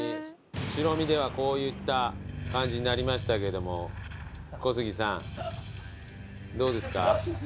白身ではこういった感じになりましたけども小杉さんどうですか？